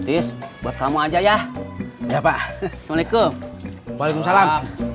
ngetis buat kamu aja ya ya pak assalamualaikum waalaikumsalam